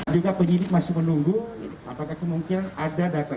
juga penyidik masih menunggu apakah kemungkinan ada data